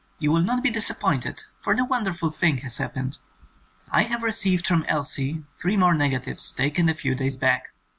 You will not be disappointed — for the wonderful thing has happened ! I have received from Elsie three more negatives taken a few days back.